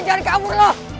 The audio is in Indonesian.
eh jangan kabur lu